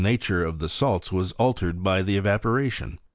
nature of the salts was altered by the evaporation.